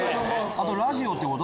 あとラジオってこと？